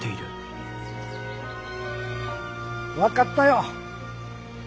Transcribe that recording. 分かったよ。